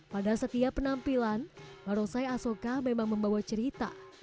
pada setiap penampilan barongsai asoka memang membawa cerita